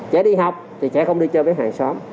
trẻ đi học thì trẻ không đưa chơi với hàng xóm